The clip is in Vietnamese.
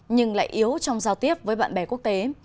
nhưng lại yếu trong giao tiếp với bạn bè quốc tế